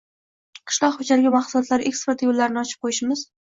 Qishloq xo‘jaligi mahsulotlari eksporti yo‘llarini ochib qo‘yishimiz